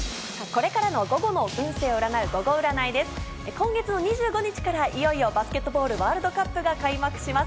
今月の２５日からいよいよバスケットボールワールドカップが開幕します。